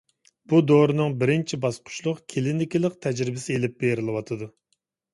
بۇ دورىنىڭ بىرىنچى باسقۇچلۇق كىلىنىكىلىق تەجرىبىسى ئېلىپ بېرىلىۋاتىدۇ.